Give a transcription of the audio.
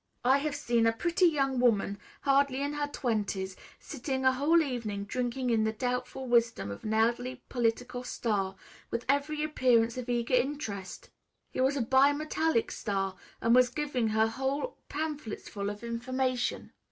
I have seen a pretty young woman, hardly in her twenties, sitting a whole evening drinking in the doubtful wisdom of an elderly political star, with every appearance of eager interest. He was a bimetallic star, and was giving her whole pamphletsful of information."